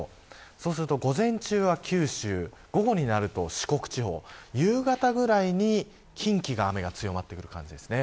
そうすると午前中は九州午後になると四国地方夕方くらいに近畿が雨が強まってくる感じですね。